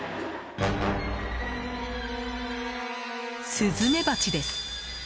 スズメバチです。